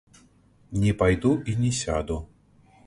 Не пайду і не сяду.